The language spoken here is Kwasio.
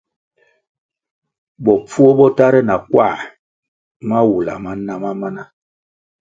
Bopfuo bo tahre na kwā mawula ma na ma mana.